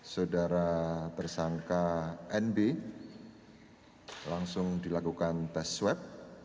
saudara tersangka nb langsung dilakukan tes swab